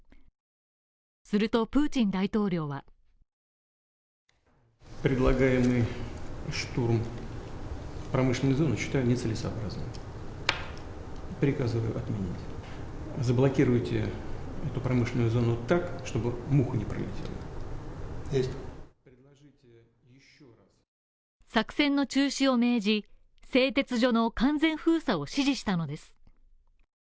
するとプーチン大統領は作戦の中止を命じ、製鉄所の完全封鎖を指示したのです。